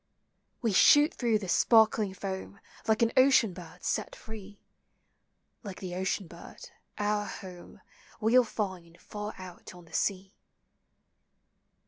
We shoot through the sparkling foam, Like an ocean bird set free, — Like the ocean bird, our home We '11 find far out on the sea.